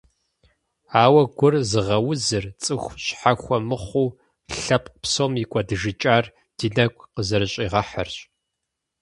Ауэ гур зыгъэузыр, цӀыху щхьэхуэ мыхъуу, лъэпкъ псом и кӀуэдыжыкӀар ди нэгу къызэрыщӀигъэхьэрщ.